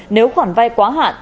nếu khoản vai quá hạn